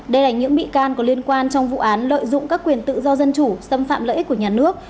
đây là những bị can có liên quan trong vụ án lợi dụng các quyền tự do dân chủ xâm phạm lợi ích của nhà nước